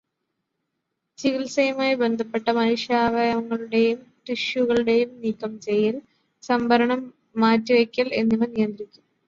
ചികിത്സയുമായി ബന്ധപ്പെട്ട മനുഷ്യാവയവങ്ങളുടെയും ടിഷ്യുകളുടെയും നീക്കം ചെയ്യല്, സംഭരണം, മാറ്റിവയ്ക്കല് എന്നിവ നിയന്ത്രിക്കും.